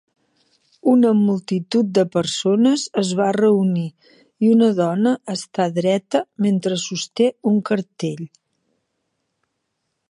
Una multitud de persones es va reunir, i una dona està dreta mentre sosté un cartell.